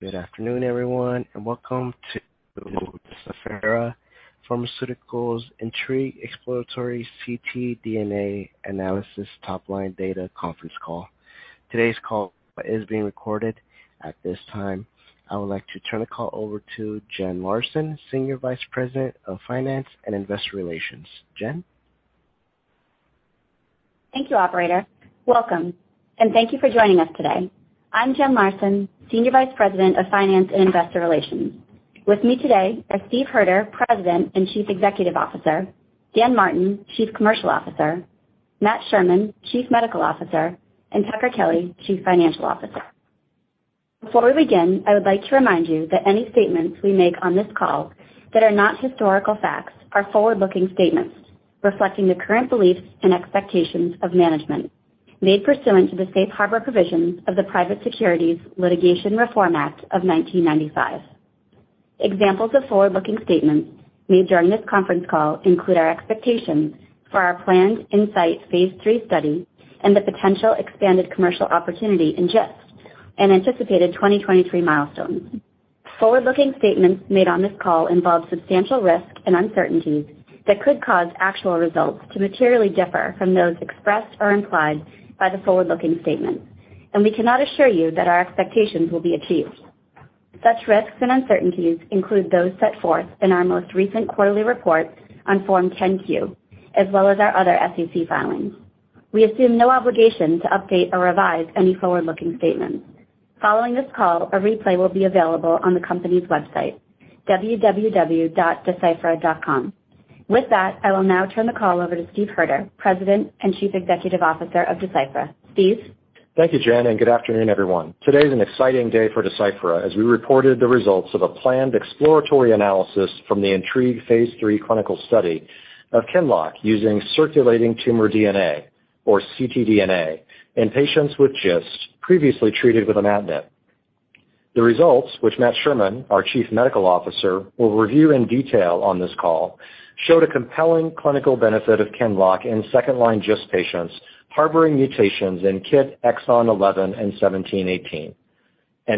Good afternoon, everyone, and welcome to Deciphera Pharmaceuticals INTRIGUE Exploratory ctDNA Analysis Top Line Data Conference Call. Today's call is being recorded. At this time, I would like to turn the call over to Jenn Larson, Senior Vice President of Finance and Investor Relations. Jen. Thank you, operator. Welcome, and thank you for joining us today. I'm Jenn Larson, Senior Vice President of Finance and Investor Relations. With me today are Steve Hoerter, President and Chief Executive Officer, Daniel C. Martin, Chief Commercial Officer, Matthew L. Sherman, Chief Medical Officer, and Tucker Kelly, Chief Financial Officer. Before we begin, I would like to remind you that any statements we make on this call that are not historical facts are forward-looking statements reflecting the current beliefs and expectations of management made pursuant to the Safe Harbor provisions of the Private Securities Litigation Reform Act of 1995. Examples of forward-looking statements made during this conference call include our expectations for our planned INSIGHT Phase III study and the potential expanded commercial opportunity in GIST and anticipated 2023 milestones. Forward-looking statements made on this call involve substantial risk and uncertainties that could cause actual results to materially differ from those expressed or implied by the forward-looking statements. We cannot assure you that our expectations will be achieved. Such risks and uncertainties include those set forth in our most recent quarterly report on Form 10-Q as well as our other SEC filings. We assume no obligation to update or revise any forward-looking statements. Following this call, a replay will be available on the company's website, www.deciphera.com. With that, I will now turn the call over to Steve Hoerter, President and Chief Executive Officer of Deciphera. Steve. Thank you, Jenn. Good afternoon, everyone. Today is an exciting day for Deciphera as we reported the results of a planned exploratory analysis from the INTRIGUE Phase III clinical study of QINLOCK using circulating tumor DNA or ctDNA in patients with GIST previously treated with imatinib. The results, which Matt Sherman, our Chief Medical Officer, will review in detail on this call, showed a compelling clinical benefit of QINLOCK in second-line GIST patients harboring mutations in KIT exon 11 and 17/18.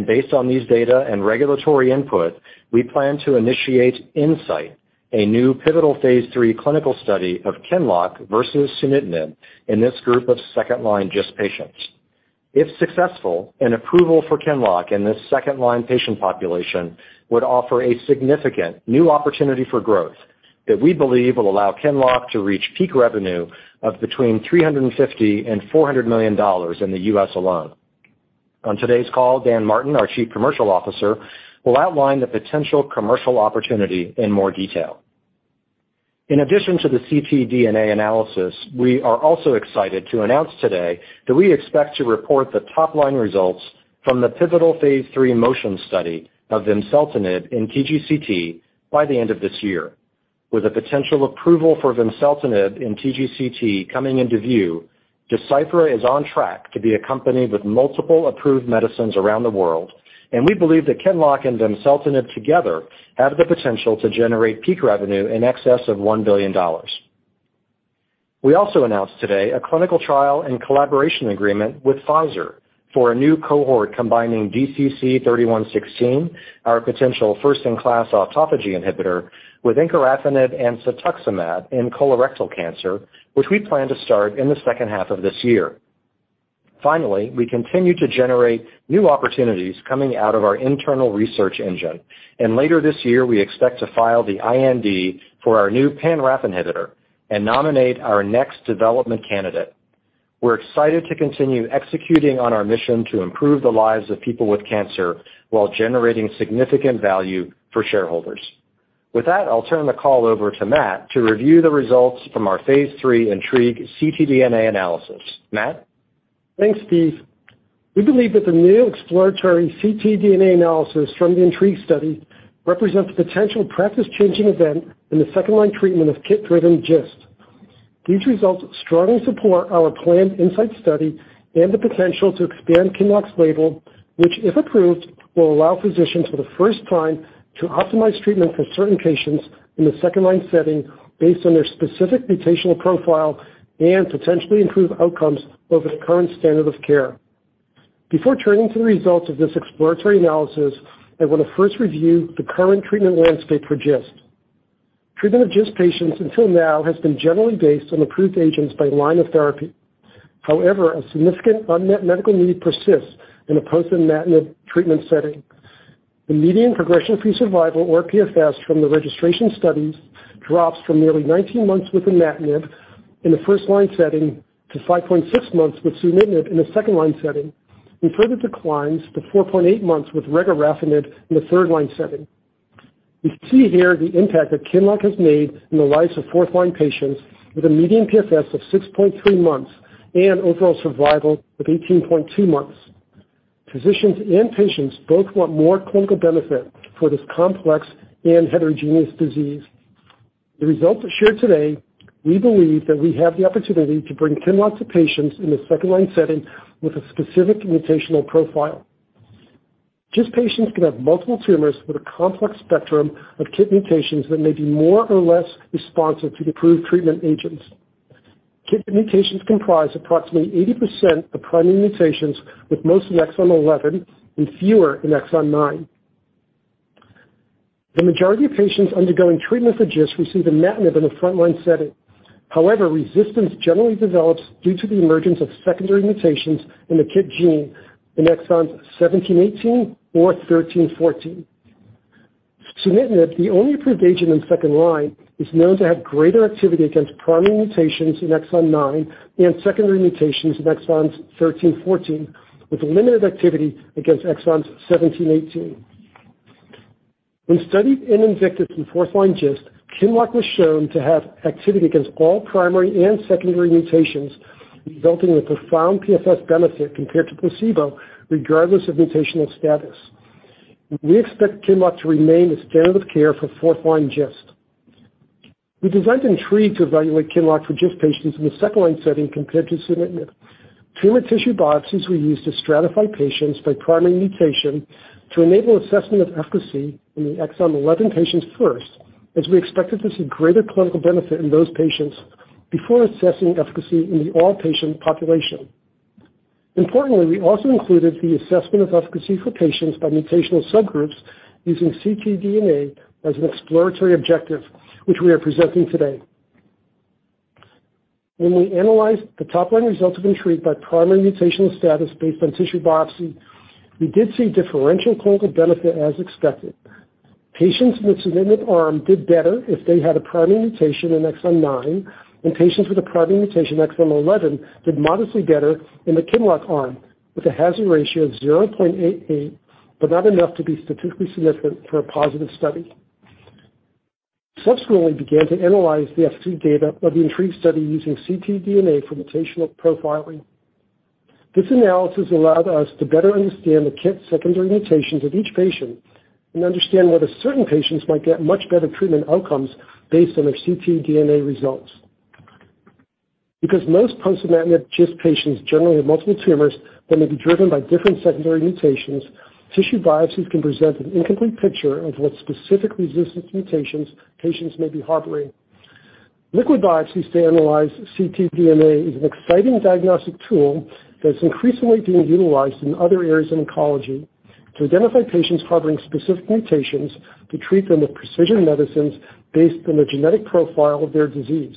Based on these data and regulatory input, we plan to initiate INSIGHT, a new pivotal Phase III clinical study of QINLOCK versus sunitinib in this group of second-line GIST patients. If successful, an approval for QINLOCK in this second-line patient population would offer a significant new opportunity for growth that we believe will allow QINLOCK to reach peak revenue of between $350 million and $400 million in the U.S. alone. On today's call, Dan Martin, our Chief Commercial Officer, will outline the potential commercial opportunity in more detail. In addition to the ctDNA analysis, we are also excited to announce today that we expect to report the top-line results from the pivotal Phase III MOTION study of vimseltinib in TGCT by the end of this year. With a potential approval for vimseltinib in TGCT coming into view, Deciphera is on track to be a company with multiple approved medicines around the world. We believe that QINLOCK and vimseltinib together have the potential to generate peak revenue in excess of $1 billion. We also announced today a clinical trial and collaboration agreement with Pfizer for a new cohort combining DCC-3116, our potential first-in-class autophagy inhibitor, with encorafenib and cetuximab in colorectal cancer, which we plan to start in the H2 of this year. Finally, we continue to generate new opportunities coming out of our internal research engine, and later this year, we expect to file the IND for our new pan-RAF inhibitor and nominate our next development candidate. We're excited to continue executing on our mission to improve the lives of people with cancer while generating significant value for shareholders. With that, I'll turn the call over to Matt to review the results from our Phase III INTRIGUE ctDNA analysis. Matt. Thanks, Steve. We believe that the new exploratory ctDNA analysis from the INTRIGUE study represents a potential practice-changing event in the second-line treatment of KIT-driven GIST. These results strongly support our planned INSIGHT study and the potential to expand QINLOCK's label, which, if approved, will allow physicians for the first time to optimize treatment for certain patients in the second-line setting based on their specific mutational profile and potentially improve outcomes over the current standard of care. Before turning to the results of this exploratory analysis, I want to first review the current treatment landscape for GIST. Treatment of GIST patients until now has been generally based on approved agents by line of therapy. A significant unmet medical need persists in a post-imatinib treatment setting. The median progression-free survival or PFS from the registration studies drops from nearly 19 months with imatinib in the first-line setting to 5.6 months with sunitinib in the second-line setting and further declines to 4.8 months with regorafenib in the third-line setting. We see here the impact that QINLOCK has made in the lives of fourth-line patients with a median PFS of 6.3 months and overall survival of 18.2 months. Physicians and patients both want more clinical benefit for this complex and heterogeneous disease. The results shared today, we believe that we have the opportunity to bring QINLOCK to patients in the second-line setting with a specific mutational profile. GIST patients can have multiple tumors with a complex spectrum of KIT mutations that may be more or less responsive to the approved treatment agents. KIT mutations comprise approximately 80% of primary mutations with most in exon 11 and fewer in exon nine. The majority of patients undergoing treatment for GIST receive imatinib in a front-line setting. However, resistance generally develops due to the emergence of secondary mutations in the KIT gene in exons 17, 18 or 13, 14. sunitinib, the only approved agent in second-line, is known to have greater activity against primary mutations in exon nine and secondary mutations in exons 13, 14, with limited activity against exons 17, 18. When studied in INVICTUS in fourth-line GIST, QINLOCK was shown to have activity against all primary and secondary mutations, resulting in a profound PFS benefit compared to placebo regardless of mutational status. We expect QINLOCK to remain the standard of care for fourth-line GIST. We designed INTRIGUE to evaluate QINLOCK for GIST patients in the second-line setting compared to sunitinib. Tumor tissue biopsies were used to stratify patients by primary mutation to enable assessment of efficacy in the exon 11 patients first, as we expected to see greater clinical benefit in those patients before assessing efficacy in the all-patient population. Importantly, we also included the assessment of efficacy for patients by mutational subgroups using ctDNA as an exploratory objective, which we are presenting today. We analyzed the top-line results of INTRIGUE by primary mutational status based on tissue biopsy, we did see differential clinical benefit as expected. Patients in the sunitinib arm did better if they had a primary mutation in exon 9, and patients with a primary mutation in exon 11 did modestly better in the QINLOCK arm with a hazard ratio of 0.88, but not enough to be statistically significant for a positive study. Subsequently, we began to analyze the FC data of the INTRIGUE study using ctDNA for mutational profiling. This analysis allowed us to better understand the KIT secondary mutations of each patient and understand whether certain patients might get much better treatment outcomes based on their ctDNA results. Because most post-imatinib GIST patients generally have multiple tumors that may be driven by different secondary mutations, tissue biopsies can present an incomplete picture of what specific resistance mutations patients may be harboring. Liquid biopsies to analyze ctDNA is an exciting diagnostic tool that's increasingly being utilized in other areas in oncology to identify patients harboring specific mutations to treat them with precision medicines based on the genetic profile of their disease.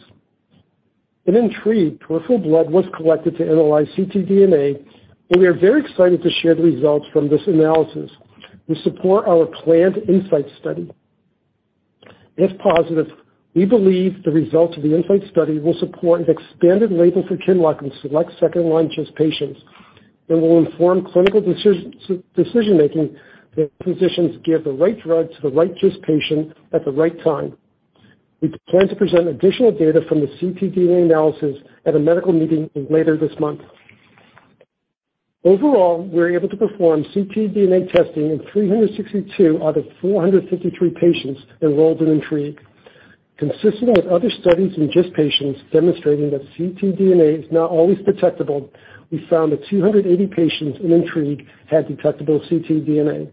In INTRIGUE, peripheral blood was collected to analyze ctDNA, and we are very excited to share the results from this analysis to support our planned INSIGHT study. If positive, we believe the results of the INSIGHT study will support an expanded label for QINLOCK in select second-line GIST patients and will inform clinical decision-making that physicians give the right drug to the right GIST patient at the right time. We plan to present additional data from the ctDNA analysis at a medical meeting later this month. Overall, we were able to perform ctDNA testing in 362 out of 453 patients enrolled in INTRIGUE. Consistent with other studies in GIST patients demonstrating that ctDNA is not always detectable, we found that 280 patients in INTRIGUE had detectable ctDNA.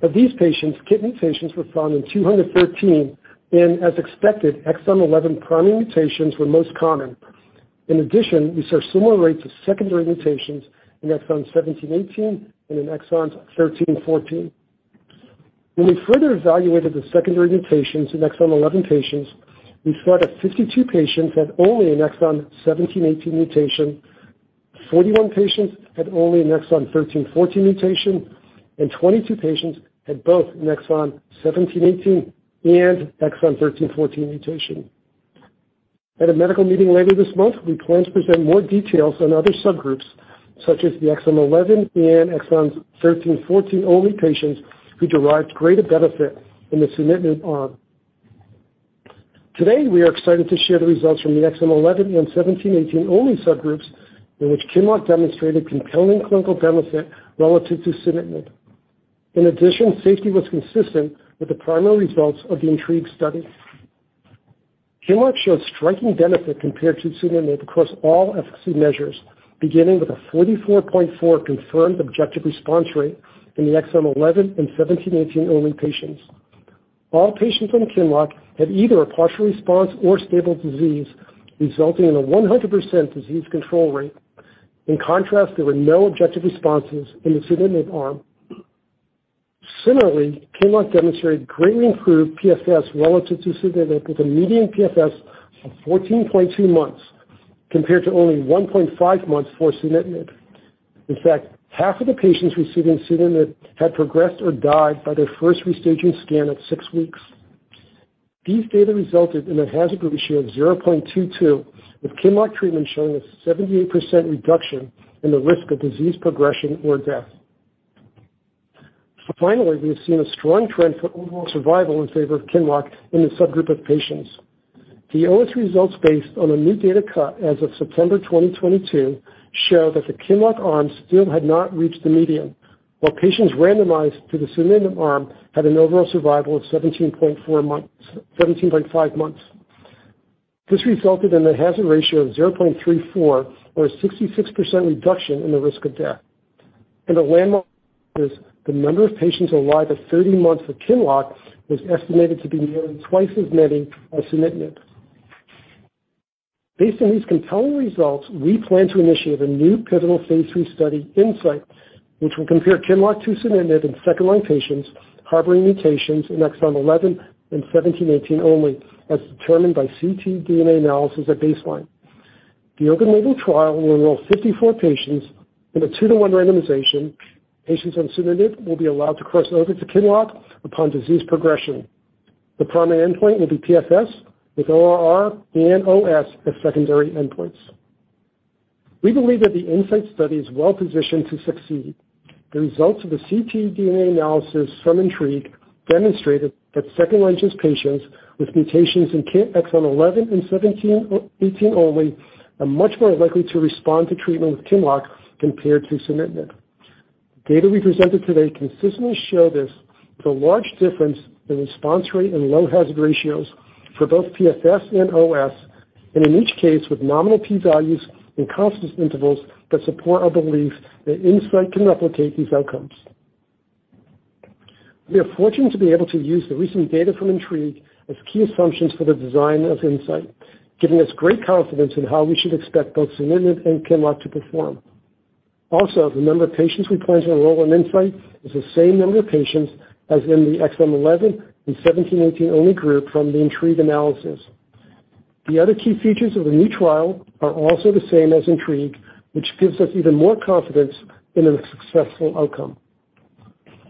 Of these patients, KIT mutations were found in 213, and as expected, exon 11 primary mutations were most common. In addition, we saw similar rates of secondary mutations in exon 17, 18 and in exons 13, 14. When we further evaluated the secondary mutations in exon 11 patients, we saw that 52 patients had only an exon 17, 18 mutation, 41 patients had only an exon 13, 14 mutation, and 22 patients had both an exon 17, 18 and exon 13, 14 mutation. At a medical meeting later this month, we plan to present more details on other subgroups, such as the exon 11 and exons 13, 14-only patients who derived greater benefit in the sunitinib arm. Today, we are excited to share the results from the exon 11 and 17, 18-only subgroups in which QINLOCK demonstrated compelling clinical benefit relative to sunitinib. In addition, safety was consistent with the primary results of the INTRIGUE study. QINLOCK showed striking benefit compared to sunitinib across all FC measures, beginning with a 44.4% confirmed objective response rate in the exon 11 and 17, 18-only patients. All patients on QINLOCK had either a partial response or stable disease, resulting in a 100% disease control rate. In contrast, there were no objective responses in the sunitinib arm. Similarly, QINLOCK demonstrated greatly improved PFS relative to sunitinib with a median PFS of 14.2 months, compared to only 1.5 months for sunitinib. In fact, half of the patients receiving sunitinib had progressed or died by their first restaging scan at 6 weeks. These data resulted in a hazard ratio of 0.22, with QINLOCK treatment showing a 78% reduction in the risk of disease progression or death. Finally, we have seen a strong trend for overall survival in favor of QINLOCK in this subgroup of patients. The OS results based on a new data cut as of September 2022 show that the QINLOCK arm still had not reached the median, while patients randomized to the sunitinib arm had an overall survival of 17.5 months. This resulted in a hazard ratio of 0.34 or a 66% reduction in the risk of death. A landmark is the number of patients alive at 30 months for QINLOCK was estimated to be nearly twice as many as sunitinib. Based on these compelling results, we plan to initiate a new pivotal Phase III study INSIGHT, which will compare QINLOCK to sunitinib in second-line patients harboring mutations in exon 11 and 17, 18 only, as determined by ctDNA analysis at baseline. The open label trial will enroll 54 patients in a 2 to 1 randomization. Patients on sunitinib will be allowed to cross over to QINLOCK upon disease progression. The primary endpoint will be PFS with ORR and OS as secondary endpoints. We believe that the INSIGHT study is well-positioned to succeed. The results of the ctDNA analysis from INTRIGUE demonstrated that second-line GIST patients with mutations in exon 11 and 17, 18 only are much more likely to respond to treatment with QINLOCK compared to sunitinib. Data we presented today consistently show this with a large difference in response rate and low hazard ratios for both PFS and OS, and in each case with nominal p-values and confidence intervals that support our belief that INSIGHT can replicate these outcomes. We are fortunate to be able to use the recent data from INTRIGUE as key assumptions for the design of INSIGHT, giving us great confidence in how we should expect both sunitinib and QINLOCK to perform. The number of patients we plan to enroll in INSIGHT is the same number of patients as in the exon 11 and 17, 18 only group from the INTRIGUE analysis. The other key features of the new trial are also the same as INTRIGUE, which gives us even more confidence in a successful outcome.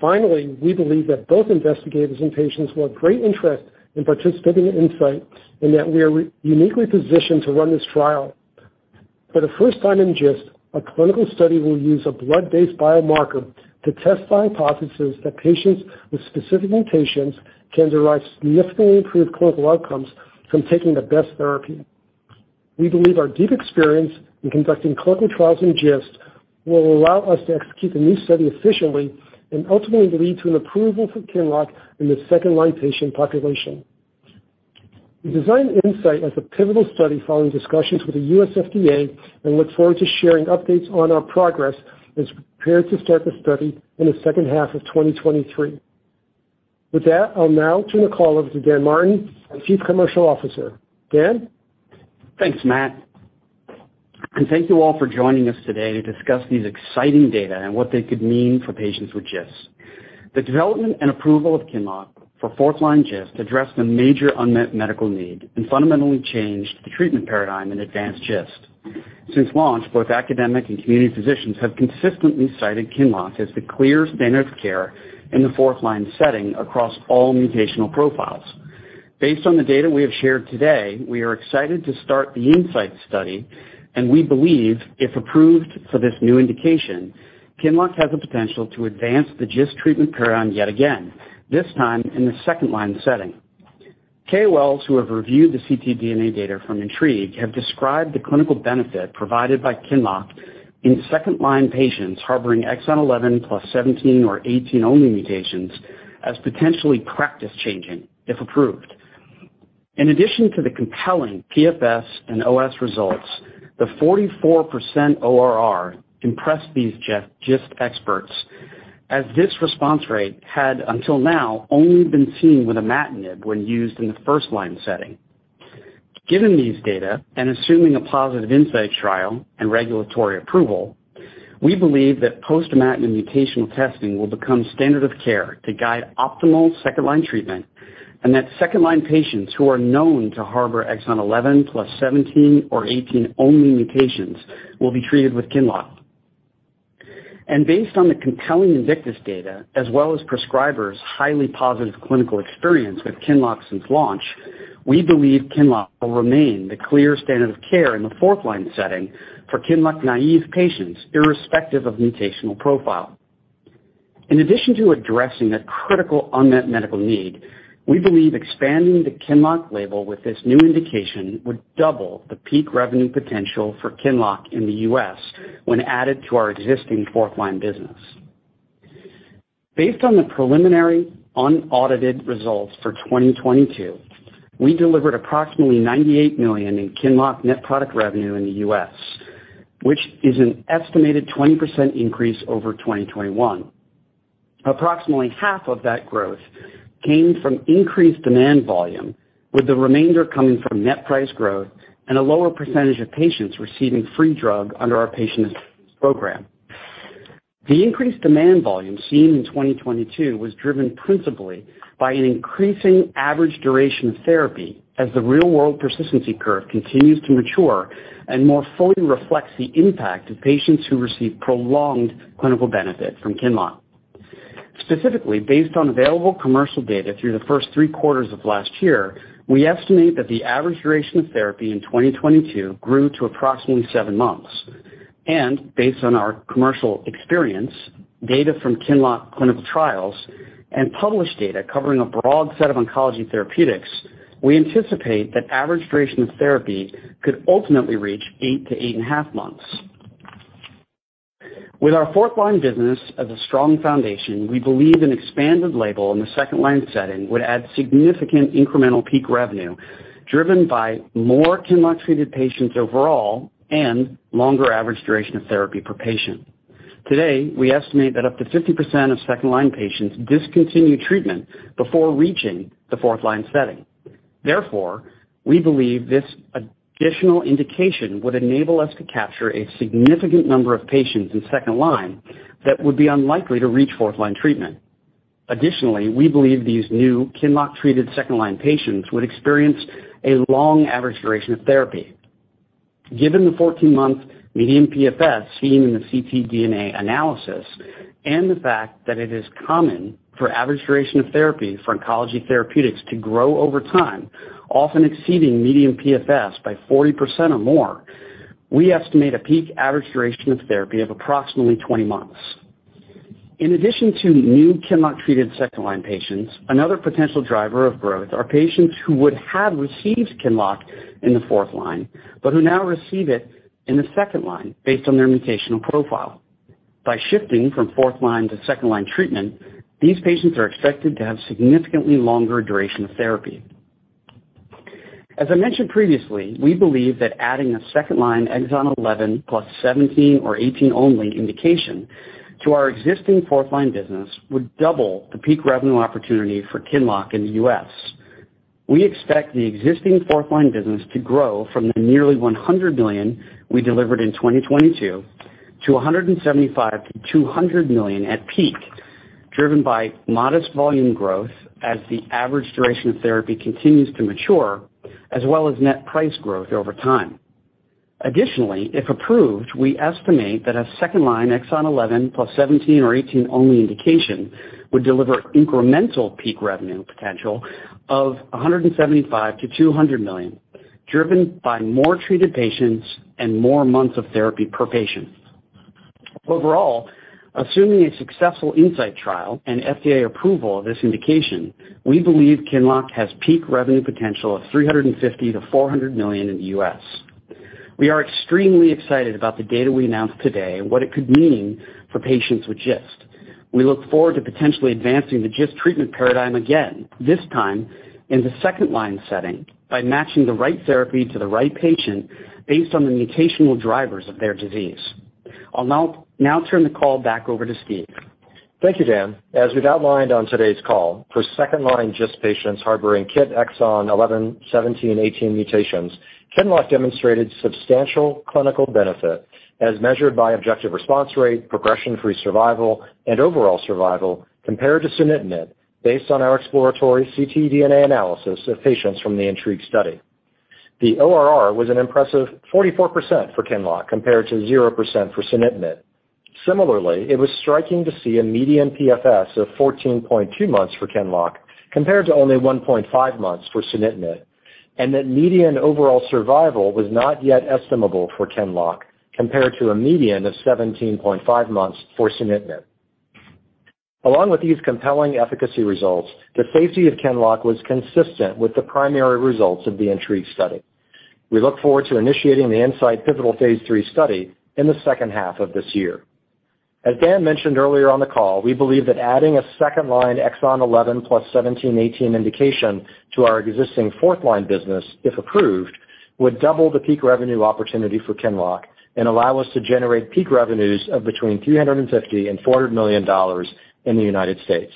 Finally, we believe that both investigators and patients will have great interest in participating in INSIGHT and that we are uniquely positioned to run this trial. For the first time in GIST, a clinical study will use a blood-based biomarker to test the hypothesis that patients with specific mutations can derive significantly improved clinical outcomes from taking the best therapy. We believe our deep experience in conducting clinical trials in GIST will allow us to execute the new study efficiently and ultimately lead to an approval for QINLOCK in the second-line patient population. We designed INSIGHT as a pivotal study following discussions with the US FDA and look forward to sharing updates on our progress as we prepare to start the study in the H2 of 2023. With that, I'll now turn the call over to Dan Martin, our Chief Commercial Officer. Dan? Thanks, Matt. Thank you all for joining us today to discuss these exciting data and what they could mean for patients with GIST. The development and approval of QINLOCK for fourth-line GIST addressed a major unmet medical need and fundamentally changed the treatment paradigm in advanced GIST. Since launch, both academic and community physicians have consistently cited QINLOCK as the clear standard of care in the fourth-line setting across all mutational profiles. Based on the data we have shared today, we are excited to start the INSIGHT study. We believe if approved for this new indication, QINLOCK has the potential to advance the GIST treatment paradigm yet again, this time in the second-line setting. KOLs who have reviewed the ctDNA data from INTRIGUE have described the clinical benefit provided by QINLOCK in second-line patients harboring exon 11 plus 17 or 18 only mutations as potentially practice-changing if approved. In addition to the compelling PFS and OS results, the 44% ORR impressed these GIST experts as this response rate had until now only been seen with imatinib when used in the first-line setting. Given these data, and assuming a positive INSIGHT trial and regulatory approval, we believe that post-imatinib mutational testing will become standard of care to guide optimal second-line treatment, and that second-line patients who are known to harbor exon 11 plus 17 or 18 only mutations will be treated with QINLOCK. Based on the compelling INVICTUS data, as well as prescribers' highly positive clinical experience with QINLOCK since launch, we believe QINLOCK will remain the clear standard of care in the fourth-line setting for QINLOCK-naive patients, irrespective of mutational profile. In addition to addressing a critical unmet medical need, we believe expanding the QINLOCK label with this new indication would double the peak revenue potential for QINLOCK in the U.S. when added to our existing fourth-line business. Based on the preliminary unaudited results for 2022, we delivered approximately $98 million in QINLOCK net product revenue in u.s which is an estimated 20% increase over 2021. Approximately half of that growth came from increased demand volume, with the remainder coming from net price growth and a lower percentage of patients receiving free drug under our patient program. The increased demand volume seen in 2022 was driven principally by an increasing average duration of therapy as the real-world persistency curve continues to mature and more fully reflects the impact of patients who receive prolonged clinical benefit from QINLOCK. Specifically, based on available commercial data through the first 3 quarters of last year, we estimate that the average duration of therapy in 2022 grew to approximately 7 months. Based on our commercial experience, data from QINLOCK clinical trials and published data covering a broad set of oncology therapeutics, we anticipate that average duration of therapy could ultimately reach 8 to 8.5 months. With our fourth-line business as a strong foundation, we believe an expanded label in the second-line setting would add significant incremental peak revenue driven by more QINLOCK-treated patients overall and longer average duration of therapy per patient. Today, we estimate that up to 50% of second-line patients discontinue treatment before reaching the fourth-line setting. We believe this additional indication would enable us to capture a significant number of second-line patients that would be unlikely to reach fourth-line treatment. We believe these new QINLOCK-treated second-line patients would experience a long average duration of therapy. Given the 14-month median PFS seen in the ctDNA analysis, and the fact that it is common for average duration of therapy for oncology therapeutics to grow over time, often exceeding median PFS by 40% or more, we estimate a peak average duration of therapy of approximately 20 months. In addition to new QINLOCK-treated second-line patients, another potential driver of growth are patients who would have received QINLOCK in the fourth line, but who now receive it in the second line based on their mutational profile. By shifting from fourth-line to second-line treatment, these patients are expected to have significantly longer duration of therapy. As I mentioned previously, we believe that adding a second-line exon 11 plus 17 or 18 only indication to our existing fourth-line business would double the peak revenue opportunity for QINLOCK in the U.S. . We expect the existing fourth-line business to grow from the nearly $100 million we delivered in 2022 to $175 million-$200 million at peak, driven by modest volume growth as the average duration of therapy continues to mature, as well as net price growth over time. Additionally, if approved, we estimate that a second-line exon 11 plus 17 or 18 only indication would deliver incremental peak revenue potential of $175 million-$200 million, driven by more treated patients and more months of therapy per patient. Overall, assuming a successful INSIGHT trial and FDA approval of this indication, we believe QINLOCK has peak revenue potential of $350 million-$400 million in the U.S.. We are extremely excited about the data we announced today and what it could mean for patients with GIST. We look forward to potentially advancing the GIST treatment paradigm again, this time in the second-line setting, by matching the right therapy to the right patient based on the mutational drivers of their disease. I'll now turn the call back over to Steve. Thank you, Dan. As we've outlined on today's call, for second-line GIST patients harboring KIT exon 11, 17, 18 mutations, QINLOCK demonstrated substantial clinical benefit as measured by objective response rate, progression-free survival, and overall survival compared to sunitinib based on our exploratory ctDNA analysis of patients from the INTRIGUE study. The ORR was an impressive 44% for QINLOCK compared to 0% for sunitinib. Similarly, it was striking to see a median PFS of 14.2 months for QINLOCK compared to only 1.5 months for sunitinib, and that median overall survival was not yet estimable for QINLOCK compared to a median of 17.5 months for sunitinib. Along with these compelling efficacy results, the safety of QINLOCK was consistent with the primary results of the INTRIGUE study. We look forward to initiating the INSIGHT pivotal Phase III study in the H2 of this year. As Dan mentioned earlier on the call, we believe that adding a second-line exon 11 plus 17, 18 indication to our existing fourth-line business, if approved, would double the peak revenue opportunity for QINLOCK and allow us to generate peak revenues of between $350 million and $400 million in the U.S.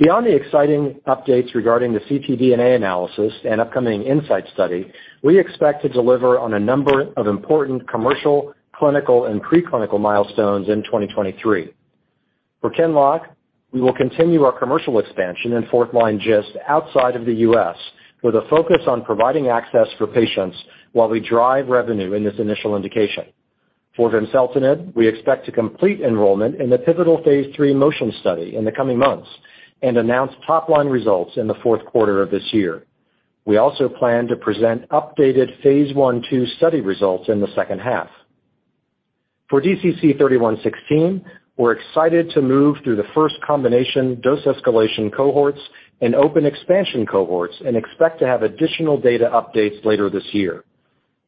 Beyond the exciting updates regarding the ctDNA analysis and upcoming INSIGHT study, we expect to deliver on a number of important commercial, clinical, and preclinical milestones in 2023. For QINLOCK, we will continue our commercial expansion in fourth-line GIST outside of the U.S. with a focus on providing access for patients while we drive revenue in this initial indication. For vimseltinib, we expect to complete enrollment in the pivotal Phase III MOTION study in the coming months and announce top-line results in the fourth quarter of this year. We also plan to present updated Phase I/II study results in the H2. For DCC-3116, we're excited to move through the first combination dose escalation cohorts and open expansion cohorts and expect to have additional data updates later this year.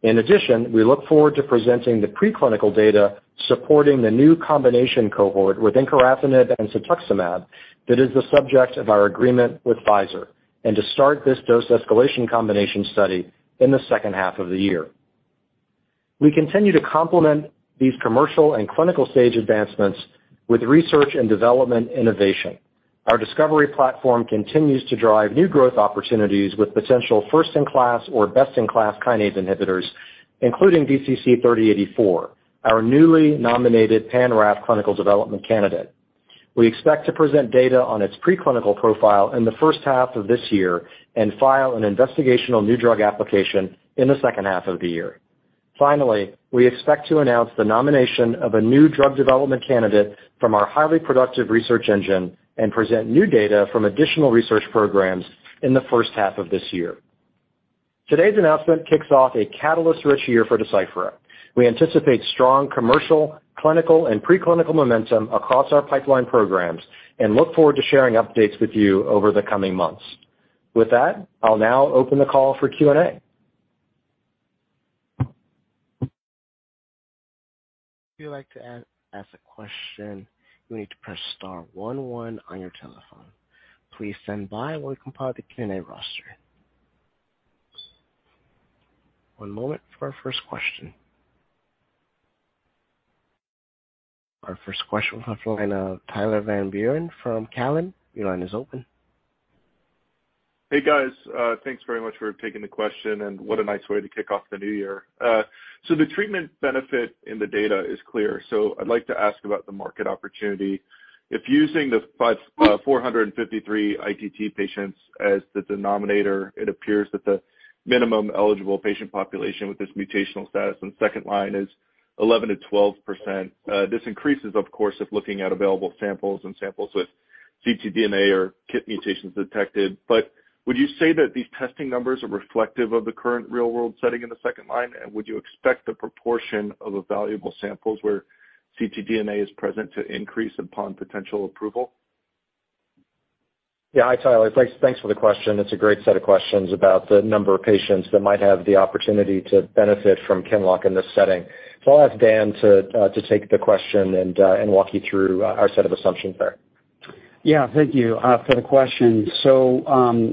We look forward to presenting the preclinical data supporting the new combination cohort with encorafenib and cetuximab that is the subject of our agreement with Pfizer and to start this dose escalation combination study in the H2 of the year. We continue to complement these commercial and clinical stage advancements with research and development innovation. Our discovery platform continues to drive new growth opportunities with potential first-in-class or best-in-class kinase inhibitors, including DCC-3084, our newly nominated pan-RAF clinical development candidate. We expect to present data on its preclinical profile in the H1 of this year and file an investigational new drug application in the H2 of the year. We expect to announce the nomination of a new drug development candidate from our highly productive research engine and present new data from additional research programs in the H1 of this year. Today's announcement kicks off a catalyst-rich year for Deciphera. We anticipate strong commercial, clinical, and preclinical momentum across our pipeline programs and look forward to sharing updates with you over the coming months. With that, I'll now open the call for Q&A. If you'd like to ask a question, you need to press star one one on your telephone. Please stand by while we compile the Q&A roster. One moment for our first question. Our first question comes from the line of Tyler Van Buren from TD Cowen. Your line is open. Hey, guys. Thanks very much for taking the question, and what a nice way to kick off the new year. The treatment benefit in the data is clear, so I'd like to ask about the market opportunity. If using the 453 ITT patients as the denominator, it appears that the minimum eligible patient population with this mutational status in second line is 11%-12%. This increases, of course, if looking at available samples and samples with ctDNA or KIT mutations detected. Would you say that these testing numbers are reflective of the current real-world setting in the second line? Would you expect the proportion of available samples where ctDNA is present to increase upon potential approval? Yeah. Hi, Tyler. Thanks for the question. It's a great set of questions about the number of patients that might have the opportunity to benefit from QINLOCK in this setting. I'll ask Dan to take the question and walk you through our set of assumptions there. Thank you for the question.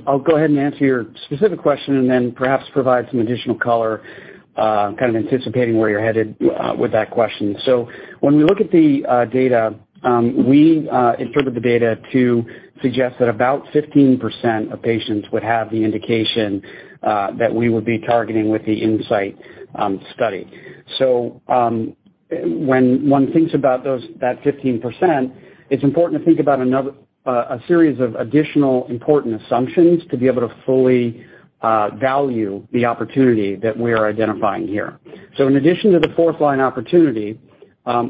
I'll go ahead and answer your specific question and then perhaps provide some additional color, kind of anticipating where you're headed with that question. When we look at the data, we interpret the data to suggest that about 15% of patients would have the indication that we would be targeting with the INSIGHT study. When one thinks about those, that 15%, it's important to think about a series of additional important assumptions to be able to fully value the opportunity that we are identifying here. In addition to the fourth line opportunity,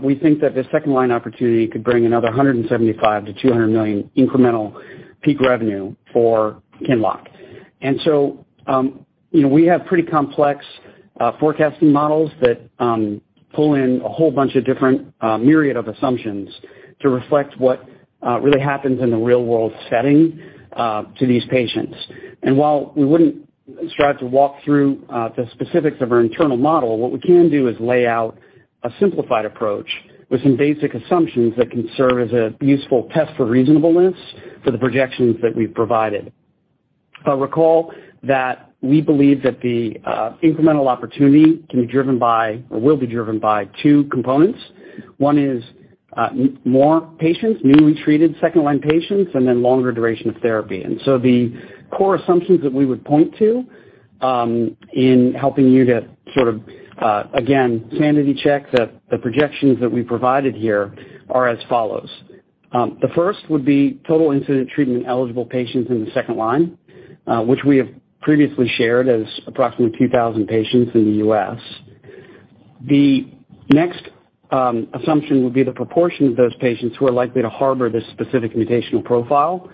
we think that the second line opportunity could bring another $175 million-$200 million incremental peak revenue for QINLOCK., we have pretty complex forecasting models that pull in a whole bunch of different myriad of assumptions to reflect what really happens in the real-world setting to these patients. While we wouldn't strive to walk through the specifics of our internal model, what we can do is lay out a simplified approach with some basic assumptions that can serve as a useful test for reasonableness for the projections that we've provided. Recall that we believe that the incremental opportunity can be driven by, or will be driven by 2 components. 1 is more patients, newly treated second-line patients, and then longer duration of therapy. The core assumptions that we would point to in helping you to sort of again, sanity check the projections that we provided here are as follows. The first would be total incident treatment-eligible patients in the second line, which we have previously shared as approximately 2,000 patients in the US. The next assumption would be the proportion of those patients who are likely to harbor this specific mutational profile,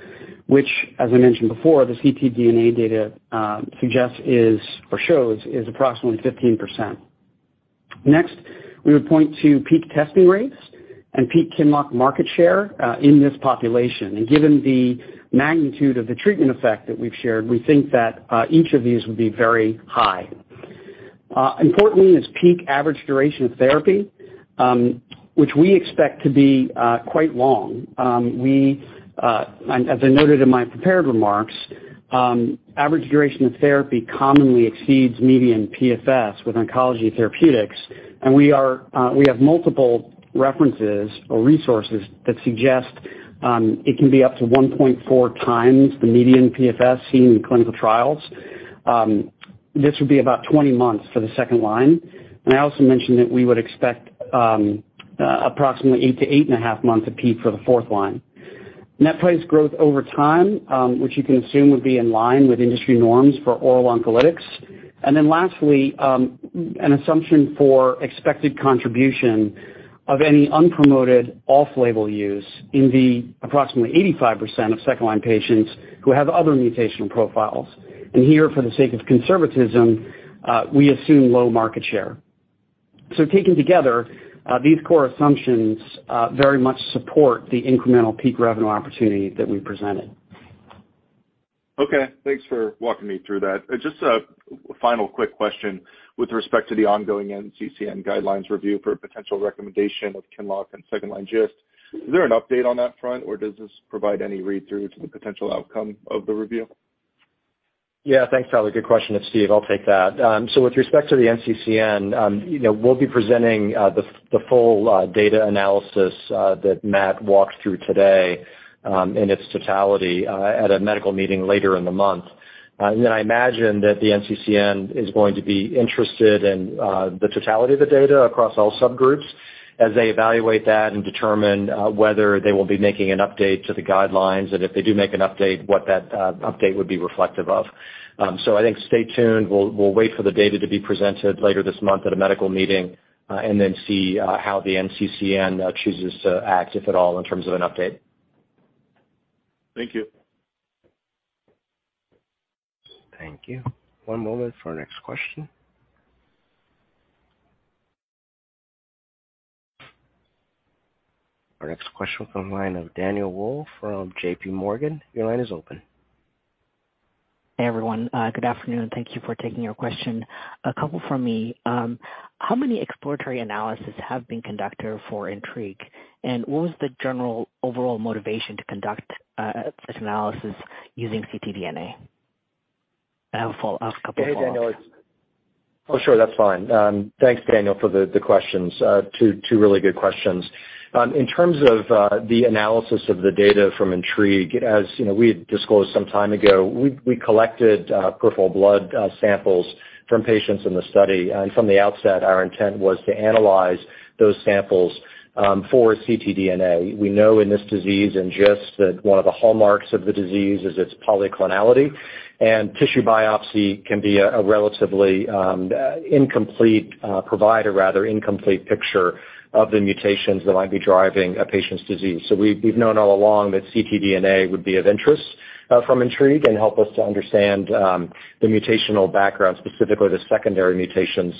which as I mentioned before, the ctDNA data suggests is, or shows is approximately 15%. Next, we would point to peak testing rates and peak QINLOCK market share in this population. Given the magnitude of the treatment effect that we've shared, we think that each of these would be very high. Importantly is peak average duration of therapy, which we expect to be quite long. We, as I noted in my prepared remarks, average duration of therapy commonly exceeds median PFS with oncology therapeutics. We have multiple references or resources that suggest it can be up to 1.4 times the median PFS seen in clinical trials. This would be about 20 months for the second line. I also mentioned that we would expect approximately 8 to 8.5 months of peak for the fourth line. Net price growth over time, which you can assume would be in line with industry norms for oral oncolytics. Lastly, an assumption for expected contribution of any unpromoted off-label use in the approximately 85% of second line patients who have other mutational profiles. Here, for the sake of conservatism, we assume low market share. Taken together, these core assumptions very much support the incremental peak revenue opportunity that we presented. Okay. Thanks for walking me through that. Just a final quick question with respect to the ongoing NCCN guidelines review for a potential recommendation of QINLOCK and second-line GIST. Is there an update on that front, or does this provide any read-through to the potential outcome of the review? Yeah. Thanks, Tyler. Good question. It's Steve. I'll take that. With respect to the nccn we'll be presenting the full data analysis that Matt walked through today in its totality at a medical meeting later in the month. I imagine that the NCCN is going to be interested in the totality of the data across all subgroups as they evaluate that and determine whether they will be making an update to the guidelines, and if they do make an update, what that update would be reflective of. I think stay tuned. We'll wait for the data to be presented later this month at a medical meeting, and see how the NCCN chooses to act, if at all, in terms of an update. Thank you. Thank you. One moment for our next question. Our next question comes from the line of Daniel Wolfe from J.P. Morgan. Your line is open. Hey, everyone. good afternoon. Thank you for taking our question. A 2 from me. How many exploratory analysis have been conducted for INTRIGUE, and what was the general overall motivation to conduct such analysis using ctDNA? I have a follow-up, 2 follow-ups. Yeah, Daniel, sure, that's fine. Thanks, Daniel, for the questions. Two really good questions. In terms of the analysis of the data from INTRIGUE, as, we had disclosed some time ago, we collected peripheral blood samples from patients in the study. From the outset, our intent was to analyze those samples for ctDNA. We know in this disease and just that one of the hallmarks of the disease is its polyclonal, and tissue biopsy can be a relatively incomplete, provide a rather incomplete picture of the mutations that might be driving a patient's disease. We've known all along that ctDNA would be of interest from INTRIGUE and help us to understand the mutational background, specifically the secondary mutations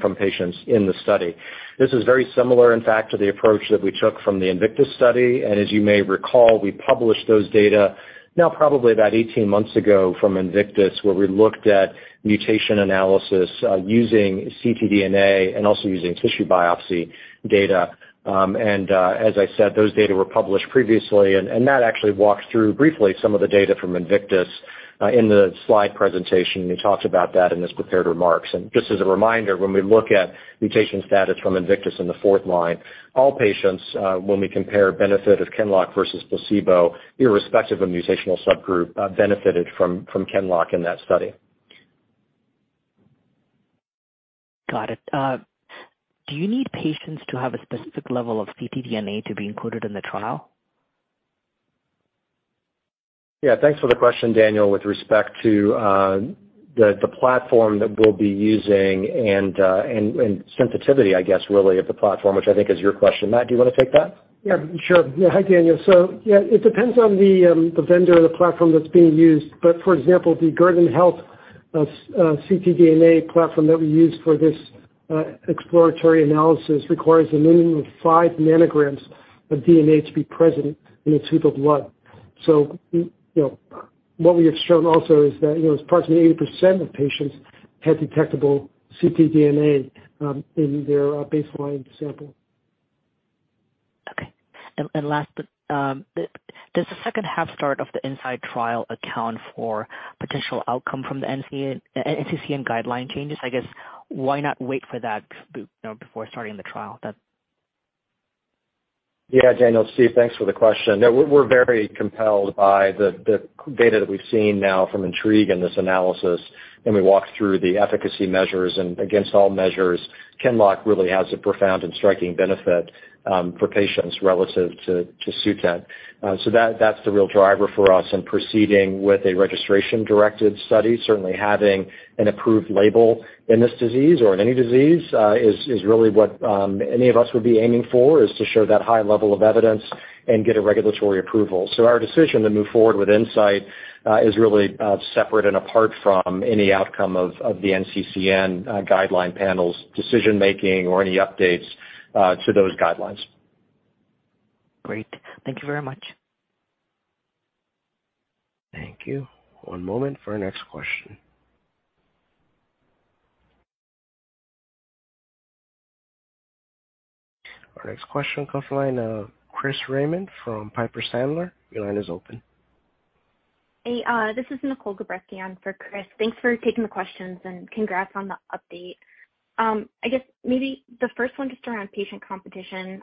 from patients in the study. This is very similar, in fact, to the approach that we took from the INVICTUS study. As you may recall, we published those data now probably about 18 months ago from INVICTUS, where we looked at mutation analysis using ctDNA and also using tissue biopsy data. As I said, those data were published previously, and Matt actually walked through briefly some of the data from INVICTUS in the slide presentation. He talked about that in his prepared remarks. Just as a reminder, when we look at mutation status from INVICTUS in the fourth line, all patients, when we compare benefit of QINLOCK versus placebo, irrespective of mutational subgroup, benefited from QINLOCK in that study. Got it. Do you need patients to have a specific level of ctDNA to be included in the trial? Yeah. Thanks for the question, Daniel. With respect to the platform that we'll be using and sensitivity, I guess, really of the platform, which I think is your question. Matt, do you wanna take that? Yeah, sure. Yeah. Hi, Daniel. Yeah, it depends on the vendor or the platform that's being used. For example, the Guardant Health ctDNA platform that we use for this exploratory analysis requires a minimum of 5 nanograms of DNA to be present in a tube of blood what we have shown also is that approximately 80% of patients had detectable ctDNA in their baseline sample. Okay. Last, but does the second half start of the INSIGHT trial account for potential outcome from the NCCN guideline changes? I guess, why not wait for that, before starting the trial then? Yeah. Daniel, Steve, thanks for the question. No, we're very compelled by the data that we've seen now from INTRIGUE and this analysis, and we walk through the efficacy measures and against all measures, QINLOCK really has a profound and striking benefit for patients relative to Sutent. That's the real driver for us in proceeding with a registration-directed study. Certainly having an approved label in this disease or in any disease, is really what any of us would be aiming for, is to show that high level of evidence and get a regulatory approval. Our decision to move forward with INSIGHT, is really separate and apart from any outcome of the NCCN guideline panel's decision-making or any updates to those guidelines. Great. Thank you very much. Thank you. One moment for our next question. Our next question, call line, Chris Raymond from Piper Sandler. Your line is open. Hey, this is Nicole Gabreski on for Chris. Thanks for taking the questions. Congrats on the update. I guess maybe the first one just around patient competition,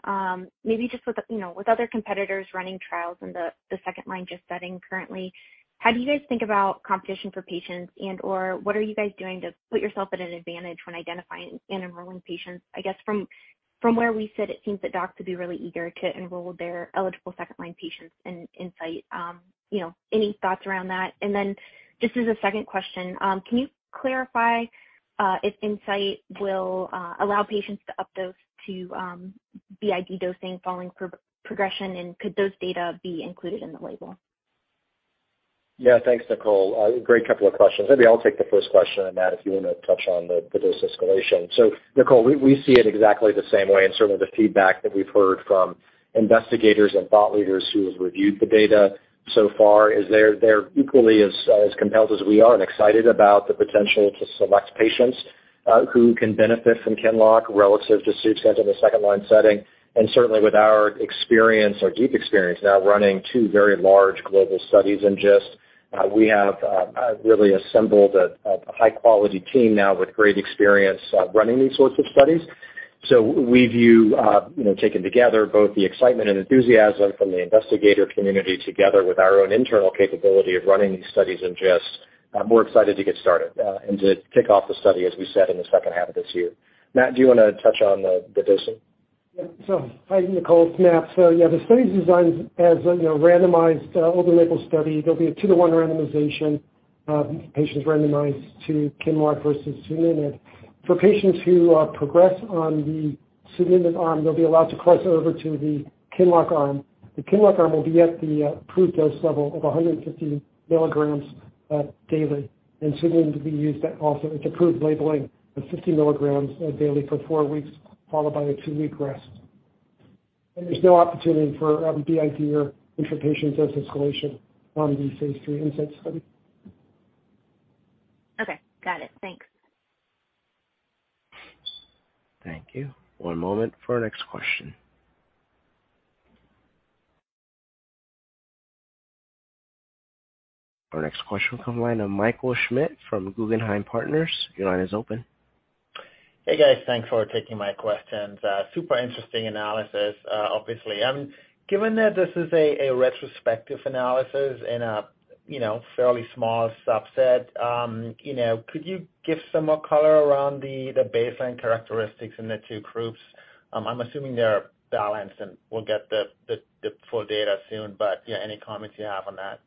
maybe just with with other competitors running trials in the second line just setting currently, how do you guys think about competition for patients and/or what are you guys doing to put yourself at an advantage when identifying and enrolling patients? I guess from where we sit, it seems that docs would be really eager to enroll their eligible second line patients in insight any thoughts around that? Just as a second question, can you clarify if INSIGHT will allow patients to up those to BID dosing following progression, and could those data be included in the label? Yeah. Thanks, Nicole. Great couple of questions. Maybe I'll take the first question and Matt, if you wanna touch on the dose escalation. Nicole, we see it exactly the same way and certainly the feedback that we've heard from investigators and thought leaders who have reviewed the data so far is they're equally as compelled as we are and excited about the potential to select patients who can benefit from QINLOCK relative to Sutent in the second line setting. Certainly with our experience or deep experience now running two very large global studies in GIST, we have really assembled a high-quality team now with great experience running these sorts of studies. We view taken together both the excitement and enthusiasm from the investigator community together with our own internal capability of running these studies in GIST, we're excited to get started and to kick off the study, as we said, in the second half of this year. Matt, do you wanna touch on the dosing? Hi, Nicole. It's Matt. The study's designed as a randomized, open label study. There'll be a 2 to 1 randomization, patients randomized to QINLOCK versus sunitinib. For patients who progress on the sunitinib arm, they'll be allowed to cross over to the QINLOCK arm. The QINLOCK arm will be at the approved dose level of 150 milligrams daily, and sunitinib to be used at also its approved labeling of 50 milligrams daily for 4 weeks, followed by a 2-week rest. There's no opportunity for BID or intrapatient dose escalation on the Phase III INSIGHT study. Okay. Got it. Thanks. Thank you. One moment for our next question. Our next question comes from the line of Michael Schmidt from Guggenheim Partners. Your line is open. Hey, guys. Thanks for taking my questions. Super interesting analysis, obviously. Given that this is a retrospective analysis in a fairly small subset could you give some more color around the baseline characteristics in the two groups? I'm assuming they are balanced, and we'll get the full data soon. Yeah, any comments you have on that?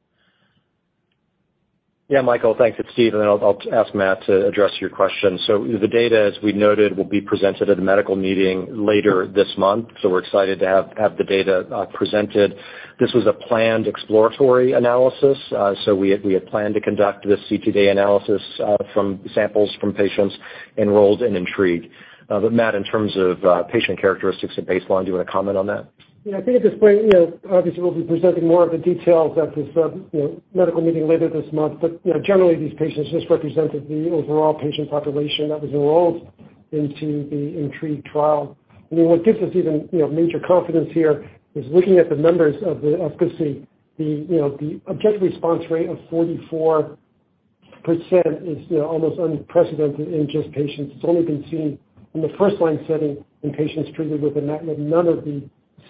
Yeah, Michael, thanks. It's Steve, and then I'll ask Matt to address your question. The data, as we noted, will be presented at a medical meeting later this month, so we're excited to have the data presented. This was a planned exploratory analysis, so we had planned to conduct this ctDNA analysis from samples from patients enrolled in INTRIGUE. Matt, in terms of patient characteristics at baseline, do you wanna comment on that? I think at this point obviously, we'll be presenting more of the details at this medical meeting later this month. generally these patients just represented the overall patient population that was enrolled into the INTRIGUE trial. What gives us even major confidence here is looking at the numbers of the efficacy, the the objective response rate of 44% is almost unprecedented in just patients. It's only been seen in the first-line setting in patients treated with imatinib. None of the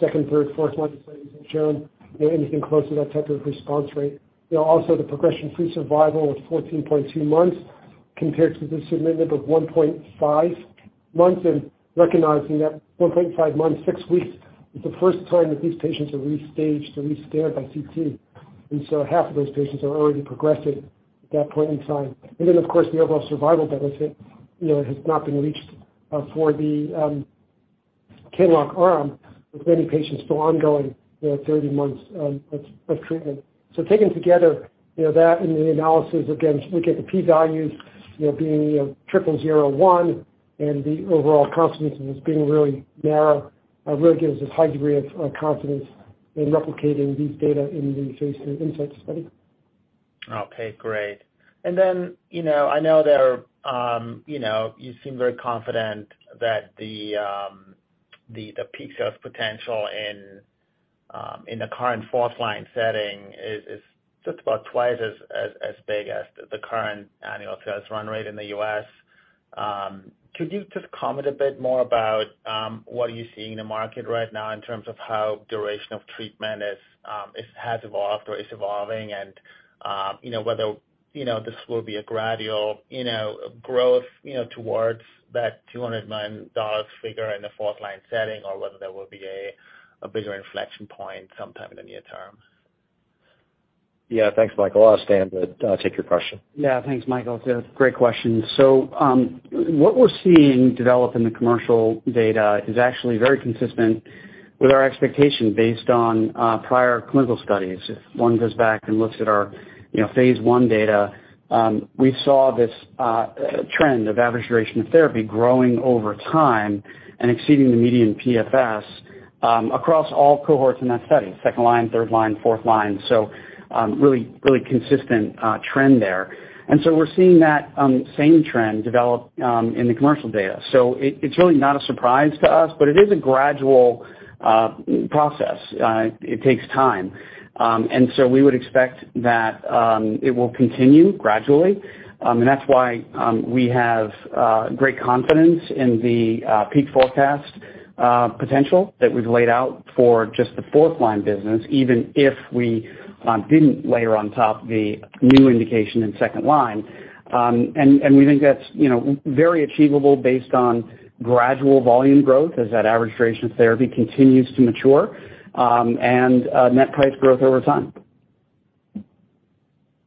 second-line, third-line, fourth-line studies have shown anything close to that type of response rate., also the progression-free survival of 14.2 months compared to the sunitinib of 1.5 months, and recognizing that 1.5 months, 6 weeks is the first time that these patients are restaged or rescanned by CT. Half of those patients are already progressing at that point in time. Of course, the overall survival benefit has not been reached for the QINLOCK arm with many patients still ongoing at 30 months of treatment. Taken together that and the analysis, again, looking at the P values being 0.001 and the overall confidence in this being really narrow, really gives us high degree of confidence in replicating these data in the Phase II INSIGHT study. Okay. Great. then I know there are you seem very confident that the peak sales potential in the current fourth-line setting is just about twice as big as the current annual sales run rate in the U.S.. Could you just comment a bit more about what are you seeing in the market right now in terms of how duration of treatment has evolved or is evolving and whether this will be a gradual growth towards that $200 million figure in the fourth-line setting or whether there will be a bigger inflection point sometime in the near term? Yeah. Thanks, Michael. I'll ask Dan to take your question. Yeah. Thanks, Michael. It's a great question. What we're seeing develop in the commercial data is actually very consistent with our expectation based on prior clinical studies. If one goes back and looks at our Phase I data, we saw this trend of average duration of therapy growing over time and exceeding the median PFS across all cohorts in that study, second line, third line, fourth line. Really consistent trend there. We're seeing that same trend develop in the commercial data. It's really not a surprise to us, but it is a gradual process. It takes time. We would expect that it will continue gradually. That's why we have great confidence in the peak forecast potential that we've laid out for just the fourth line business, even if we didn't layer on top the new indication in second line. And we think that's very achievable based on gradual volume growth as that average duration of therapy continues to mature, and net price growth over time.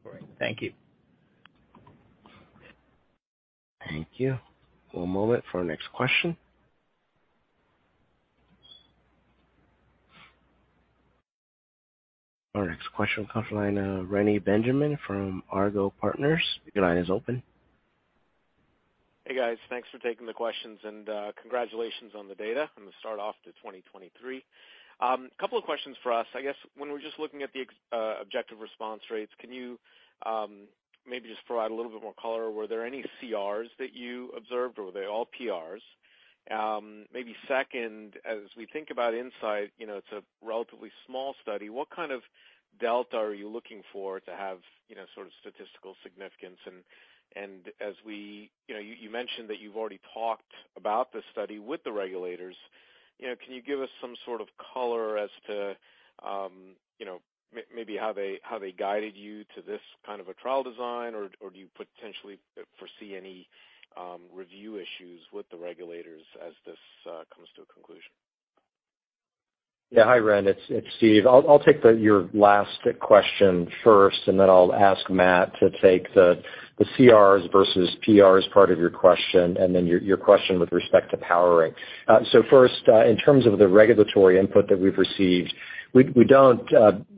Great. Thank you. Thank you. One moment for our next question. Our next question comes from the line of Reni Benjamin from JMP Securities. Your line is open. Hey, guys. Thanks for taking the questions and congratulations on the data and the start off to 2023. Couple of questions for us. I guess when we're just looking at the objective response rates, can you maybe just provide a little bit more color? Were there any CRs that you observed or were they all PRs? Maybe second, as we think about insight it's a relatively small study. What kind of delta are you looking for to have sort of statistical significance?, you mentioned that you've already talked about this study with the regulators can you give us some sort of color as to maybe how they guided you to this kind of a trial design? Do you potentially foresee any review issues with the regulators as this comes to a conclusion? Yeah. Hi, Reni. It's Steve. I'll take your last question first, and then I'll ask Matt to take the CRs versus PRs part of your question and then your question with respect to powering. First, in terms of the regulatory input that we've received, we don't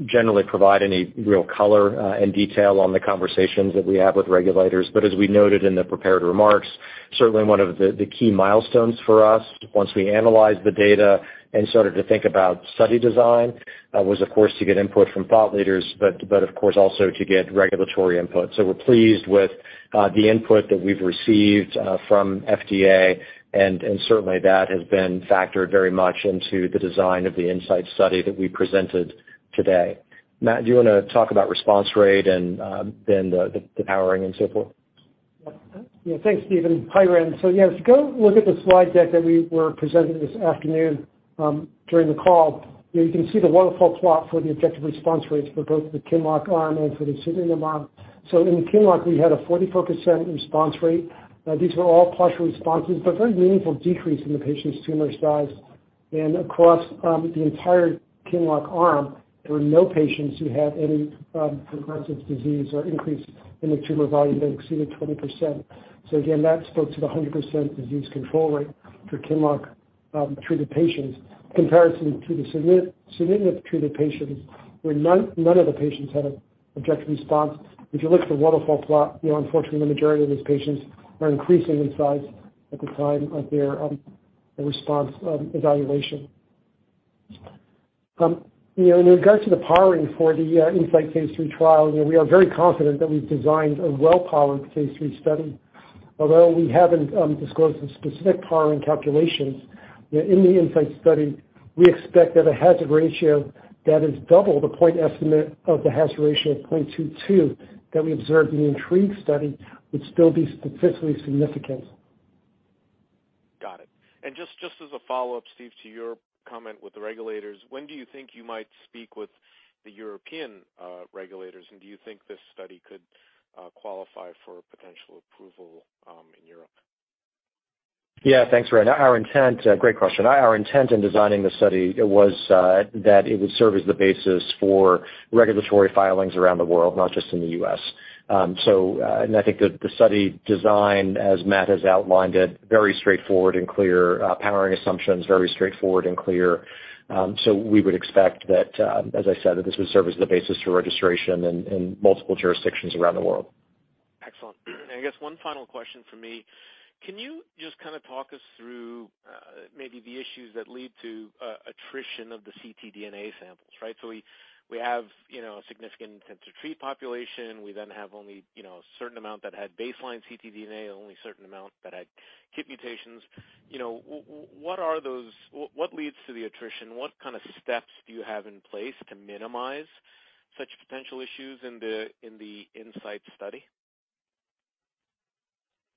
generally provide any real color and detail on the conversations that we have with regulators. As we noted in the prepared remarks. Certainly one of the key milestones for us once we analyzed the data and started to think about study design, was of course to get input from thought leaders, but of course also to get regulatory input. We're pleased with the input that we've received from FDA and certainly that has been factored very much into the design of the INSIGHT study that we presented today. Matt, do you wanna talk about response rate and then the powering and so forth? Thanks, Stephen. Hi, Reni. If you go look at the slide deck that we were presenting this afternoon, during the call, you can see the waterfall plot for the objective response rates for both the QINLOCK arm and for the sunitinib arm. In QINLOCK, we had a 44% response rate. These were all partial responses, but very meaningful decrease in the patient's tumor size. Across the entire QINLOCK arm, there were no patients who had any progressive disease or increase in the tumor volume that exceeded 20%. Again, that spoke to the 100% disease control rate for QINLOCK treated patients compared to the sunitinib treated patients, where none of the patients had a objective response. If you look at the waterfall plot unfortunately, the majority of these patients are increasing in size at the time of their response evaluation in regards to the powering for the INSIGHT Phase III trial we are very confident that we've designed a well-powered Phase III study. Although we haven't disclosed the specific powering calculations in the INSIGHT study, we expect that a hazard ratio that is double the point estimate of the hazard ratio of 0.22 that we observed in the INTRIGUE study would still be statistically significant. Got it. Just as a follow-up, Steve, to your comment with the regulators, when do you think you might speak with the European regulators? Do you think this study could qualify for potential approval in Europe? Yeah. Thanks, Reni. Great question. Our intent in designing the study was that it would serve as the basis for regulatory filings around the world, not just in the U.S. I think the study design, as Matt has outlined it, very straightforward and clear, powering assumptions, very straightforward and clear. We would expect that, as I said, this would serve as the basis for registration in multiple jurisdictions around the world. Excellent. I guess one final question from me. Can you just kinda talk us through, maybe the issues that lead to, attrition of the ctDNA samples? Right? We, we have a significant intent to treat population. We then have only a certain amount that had baseline ctDNA, only a certain amount that had KIT mutations what leads to the attrition? What kind of steps do you have in place to minimize such potential issues in the INSIGHT study?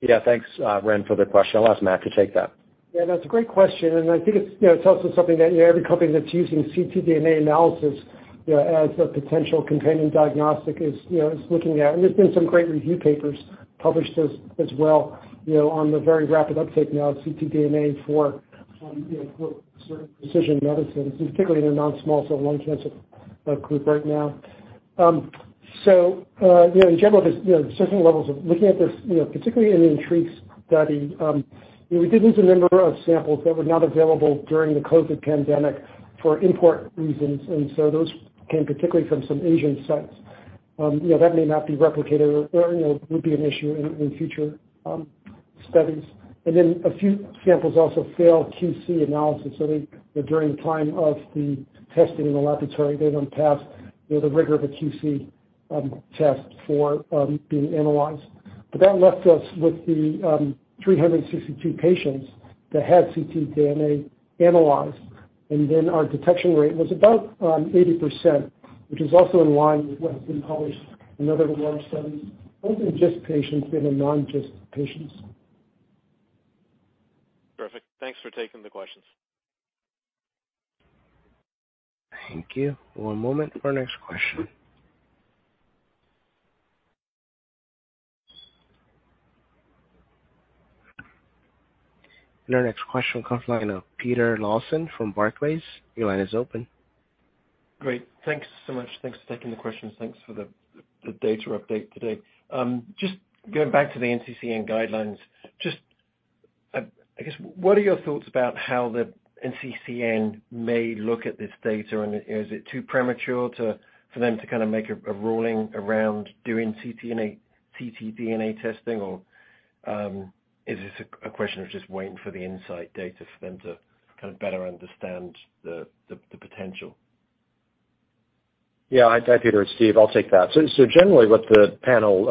Yeah. Thanks, Reni, for the question. I'll ask Matt to take that. Yeah, that's a great question, and I think it's it's also something that every company that's using ctDNA analysis as a potential companion diagnostic is is looking at. There's been some great review papers published as well on the very rapid uptake now of ctDNA for for certain precision medicines, particularly in a non-small cell lung cancer group right now. In general, there's certain levels of looking at this particularly in the INTRIGUE study we did lose a number of samples that were not available during the COVID pandemic for import reasons. Those came particularly from some Asian sites that may not be replicated or would be an issue in future studies. A few samples also failed QC analysis early, where during the time of the testing in the laboratory, they don't pass the rigor of a QC test for being analyzed. That left us with the 362 patients that had ctDNA analyzed, our detection rate was about 80%, which is also in line with what has been published in other large studies, both in GIST patients and in non-GIST patients. Perfect. Thanks for taking the questions. Thank you. One moment for our next question. Our next question comes line of Peter Lawson from Barclays. Your line is open. Great. Thanks so much. Thanks for taking the questions. Thanks for the data update today. Just going back to the NCCN guidelines, just, I guess, what are your thoughts about how the NCCN may look at this data? Is it too premature for them to kinda make a ruling around doing ctDNA testing? Or, is this a question of just waiting for the INSIGHT data for them to kind of better understand the potential? Yeah. Hi, Peter. It's Steve. I'll take that. Generally what the panels,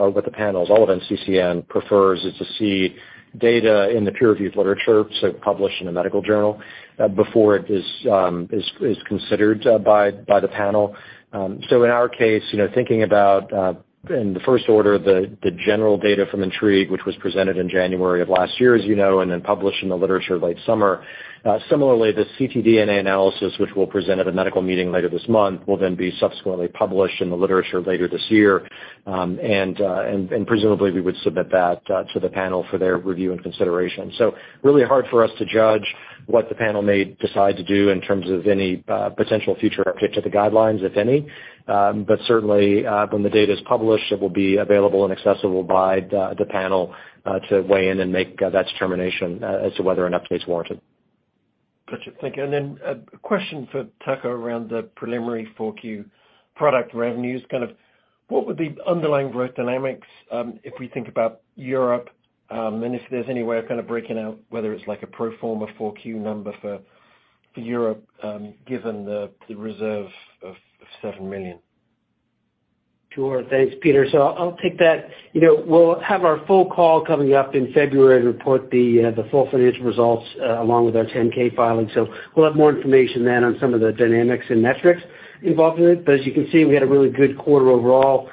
all of NCCN prefers is to see data in the peer-reviewed literature, so published in a medical journal, before it is considered by the panel. In our case thinking about in the first order, the general data from INTRIGUE, which was presented in January of last year, as, and then published in the literature late summer. Similarly, the ctDNA analysis, which we'll present at a medical meeting later this month, will then be subsequently published in the literature later this year. And presumably we would submit that to the panel for their review and consideration. Really hard for us to judge what the panel may decide to do in terms of any potential future updates to the guidelines, if any. Certainly, when the data is published, it will be available and accessible by the panel to weigh in and make that determination as to whether an update's warranted. Gotcha. Thank you. Then a question for Tucker around the preliminary 4Q product revenues. Kind of what would the underlying growth dynamics, if we think about Europe, and if there's any way of kind of breaking out whether it's like a pro forma 4Q number for Europe, given the reserve of $7 million. Sure. Thanks, Peter. I'll take that we'll have our full call coming up in February to report the full financial results along with our 10-K filing. We'll have more information then on some of the dynamics and metrics involved in it. As you can see, we had a really good quarter overall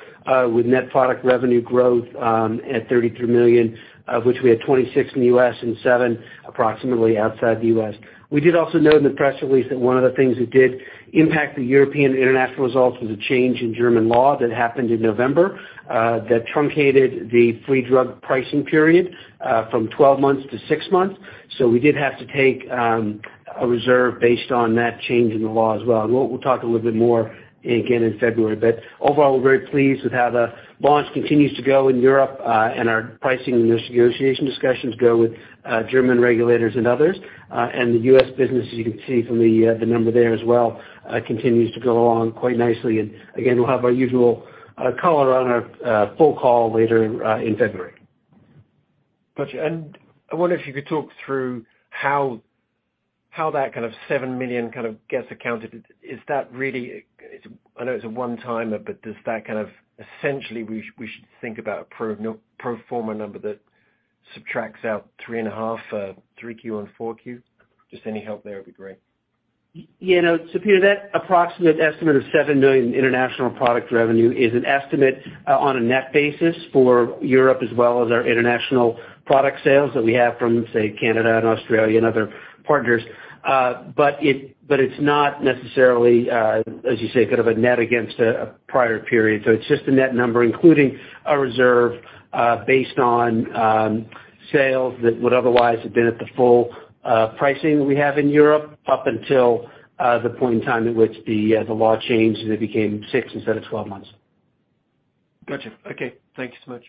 with net product revenue growth at $33 million, of which we had $26 million in the U.S. and $7 million approximately outside the U.S.. We did also note in the press release that one of the things that did impact the European international results was a change in German law that happened in November that truncated the free drug pricing period from 12 months to 6 months. We did have to take a reserve based on that change in the law as well. We'll talk a little bit more again in February. Overall, we're very pleased with how the launch continues to go in Europe, and our pricing and those negotiation discussions go with German regulators and others. The U.S. business, as you can see from the number there as well, continues to go along quite nicely. Again, we'll have our usual color on our full call later in February. Got you. I wonder if you could talk through how that kind of $7 million kind of gets accounted. Is that really... I know it's a one-timer, but does that kind of essentially we should think about a pro forma number that subtracts out three and a half, 3Q and 4Q? Just any help there would be great., Peter, that approximate estimate of $7 million international product revenue is an estimate on a net basis for Europe as well as our international product sales that we have from, say, Canada and Australia and other partners. It's not necessarily, as you say, kind of a net against a prior period. It's just a net number, including a reserve, based on sales that would otherwise have been at the full pricing we have in Europe up until the point in time at which the law changed, and it became 6 instead of 12 months. Gotcha. Okay. Thank you so much.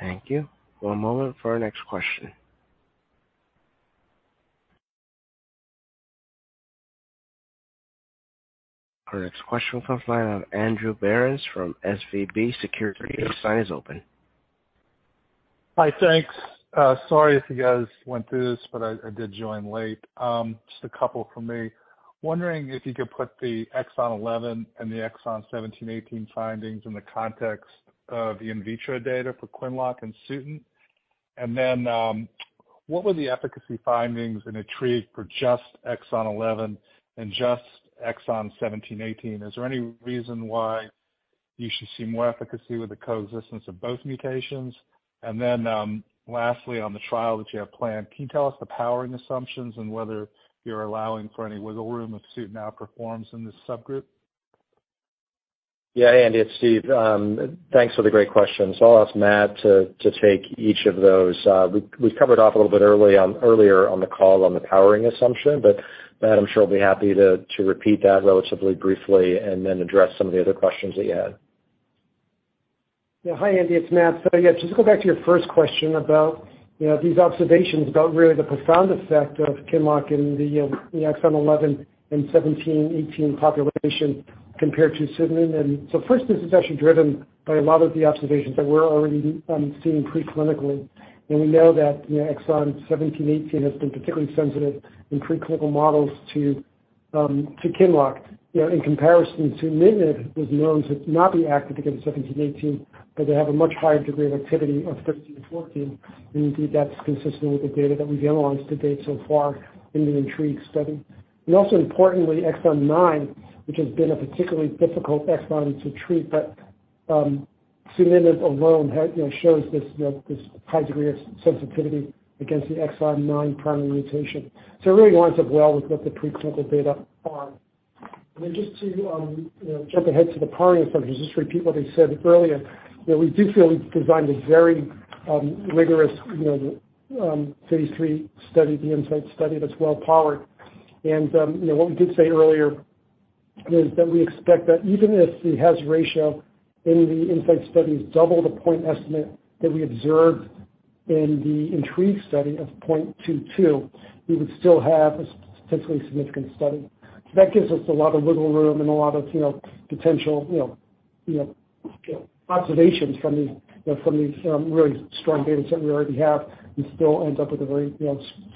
Thank you. One moment for our next question. Our next question comes from the line of Andrew Berens from SVB Securities. Your line is open. Hi. Thanks. Sorry if you guys went through this, but I did join late. Just a couple from me. Wondering if you could put the exon 11 and the exon 17/18 findings in the context of the in vitro data for QINLOCK and Sutent? What were the efficacy findings in INTRIGUE for just exon 11 and just exon 17/18? Is there any reason why you should see more efficacy with the coexistence of both mutations? Lastly, on the trial that you have planned, can you tell us the powering assumptions and whether you're allowing for any wiggle room if Sutent outperforms in this subgroup? Yeah, Andy, it's Steve. Thanks for the great questions. I'll ask Matt to take each of those. We've covered off a little bit earlier on the call on the powering assumption, but Matt, I'm sure, will be happy to repeat that relatively briefly and then address some of the other questions that you had. Hi, Andy, it's Matt. Just go back to your first question about these observations about really the profound effect of QINLOCK in the exon 11 and 17/18 population compared to Sutent. First, this is actually driven by a lot of the observations that we're already seeing pre-clinically. We know that exon 17/18 has been particularly sensitive in pre-clinical models to qinlock in comparison to Nintedanib, which is known to not be active against 17/18, but to have a much higher degree of activity on 13/14. Indeed, that's consistent with the data that we've analyzed to date so far in the INTRIGUE study. Importantly, exon 9, which has been a particularly difficult exon to treat, Nintedanib alone shows this this high degree of sensitivity against the exon 9 primary mutation. It really lines up well with what the pre-clinical data are. Just to jump ahead to the powering assumption, just to repeat what I said earlier we do feel we've designed a very rigorous Phase II study, the INSIGHT study, that's well powered. What we did say earlier is that we expect that even if the hazard ratio in the INSIGHT study has doubled the point estimate that we observed in the INTRIGUE study of 0.22, we would still have a statistically significant study. That gives us a lot of wiggle room and a lot of potential observations from these, really strong data set we already have, and still ends up with a very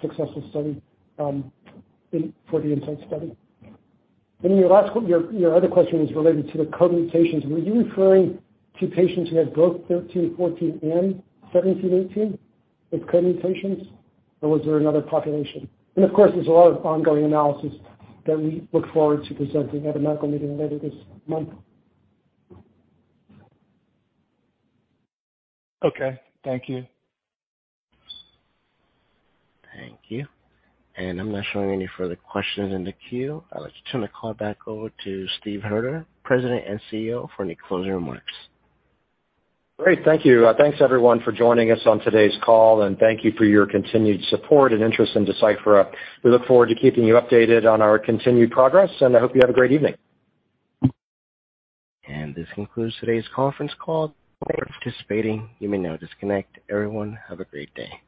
successful study for the INSIGHT study. Your other question was related to the co-mutations. Were you referring to patients who had both 13/14 and 17/18 with co-mutations, or was there another population? Of course, there's a lot of ongoing analysis that we look forward to presenting at a medical meeting later this month. Okay. Thank you. Thank you. I'm not showing any further questions in the queue. I'd like to turn the call back over to Steve Hoerter, President and CEO, for any closing remarks. Great. Thank you. Thanks everyone for joining us on today's call. Thank you for your continued support and interest in Deciphera. We look forward to keeping you updated on our continued progress. I hope you have a great evening. This concludes today's conference call. Thank you for participating. You may now disconnect. Everyone, have a great day.